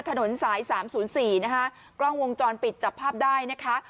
ถนนสายสามศูนย์สี่นะคะกล้องวงจรปิดจับภาพได้นะคะ